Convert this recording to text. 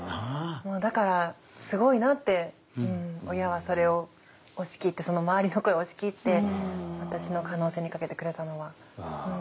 だからすごいなって親はそれを押し切って周りの声を押し切って私の可能性にかけてくれたのは。